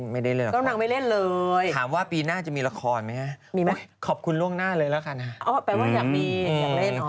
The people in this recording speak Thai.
ไม่ได้เลยหรอกค่ะถามว่าปีหน้าจะมีละครไหมฮะขอบคุณล่วงหน้าเลยแล้วค่ะนะฮะอ๋อแปลว่าอยากมีอยากเล่นอ๋อ